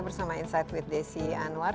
bersama saya desi anwar